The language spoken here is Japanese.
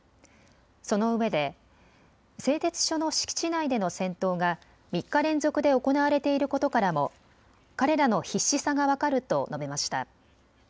そのうえで製鉄所の敷地内での戦闘が３日連続で行われていることからも彼らの必死さが分かると述べました。